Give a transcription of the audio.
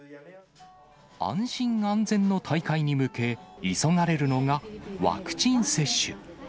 安心安全の大会に向け、急がれるのが、ワクチン接種。